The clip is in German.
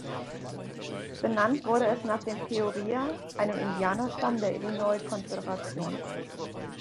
Benannt wurde es nach den Peoria, einem Indianerstamm der Illinois-Konföderation.